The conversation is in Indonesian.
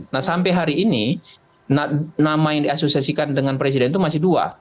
nah sampai hari ini nama yang diasosiasikan dengan presiden itu masih dua